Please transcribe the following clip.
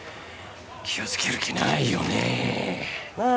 気をつける気ないよねなあ